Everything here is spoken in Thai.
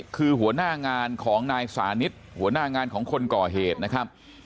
คือหัวหน้างานของนายสานิทหัวหน้างานของคนก่อเหตุนะครับ